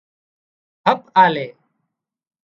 هپ آلي